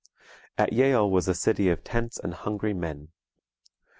At Yale was a city of tents and hungry men.